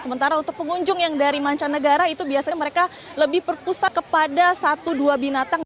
sementara untuk pengunjung yang dari mancanegara itu biasanya mereka lebih berpusat kepada satu dua binatang